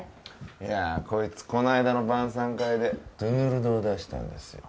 いやあこいつこの間の晩餐会でトゥヌルドを出したんですよ